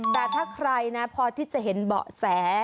แต่ถ้าใครนะพอที่จะเห็นเบาะแส